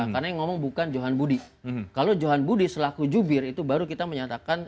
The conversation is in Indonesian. karena yang ngomong bukan johan budi kalau johan budi selaku jubir itu baru kita menyatakan